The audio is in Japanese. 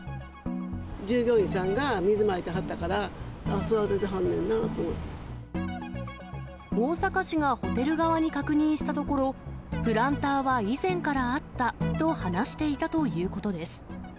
従業員さんが水まいてはったから、大阪市がホテル側に確認したところ、プランターは以前からあったと話していたということです。